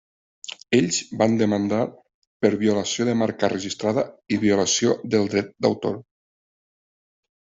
Ells van demandar per violació de marca registrada i violació del dret d'autor.